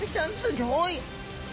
ギョい。